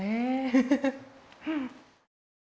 フフフ。